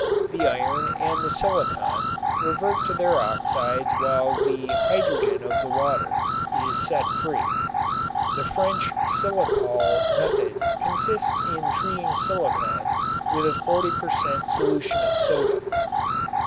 The iron and the silicon revert to their oxides while the hydrogen of the water is set free. The French "silikol" method consists in treating silicon with a 40 per cent. solution of soda.